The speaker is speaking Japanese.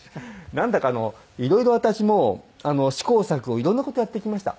なんだかいろいろ私も試行錯誤いろんな事をやってきました。